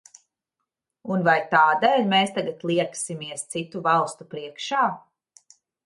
Un vai tādēļ mēs tagad lieksimies citu valstu priekšā?